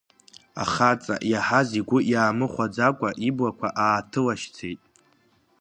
Ахаҵа, иаҳаз игәы иаамыхәаӡакәа, иблақәа ааҭылашьцеит.